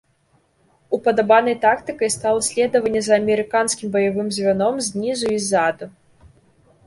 Упадабанай тактыкай стала следаванне за амерыканскім баявым звяном знізу і ззаду.